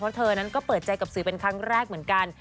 เพราะเธอนั้นก็เปิดใจกับสื่อเป็นครั้งแรกเหมือนกัน